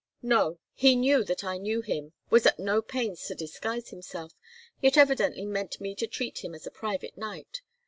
"No. He knew that I knew him, was at no pains to disguise himself, yet evidently meant me to treat him as a private knight.